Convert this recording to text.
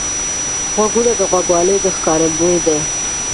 غوږونه د غوږوالۍ ښکارندوی دي